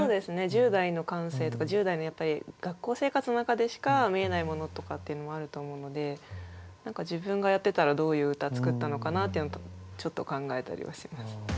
１０代の感性とか１０代のやっぱり学校生活の中でしか見えないものとかっていうのもあると思うので何か自分がやってたらどういう歌作ったのかなっていうのとかちょっと考えたりはします。